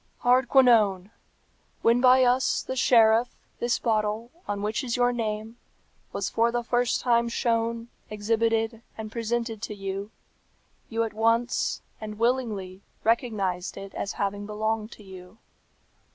"Hardquanonne! when by us, the sheriff, this bottle, on which is your name, was for the first time shown, exhibited, and presented to you, you at once, and willingly, recognized it as having belonged to you.